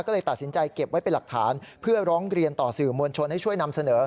ก็เลยตัดสินใจเก็บไว้เป็นหลักฐานเพื่อร้องเรียนต่อสื่อมวลชนให้ช่วยนำเสนอ